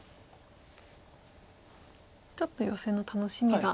ちょっとヨセの楽しみが。